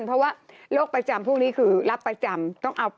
เพราะว่าโรคประจำพวกนี้คือรับประจำต้องเอา